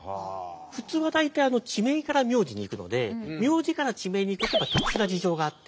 普通は大体地名から名字に行くので名字から地名にいくって特殊な事情があって。